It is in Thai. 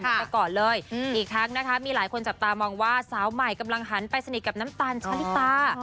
มาก่อนเลยอีกทั้งนะคะมีหลายคนจับตามองว่าสาวใหม่กำลังหันไปสนิทกับน้ำตาลชะลิตา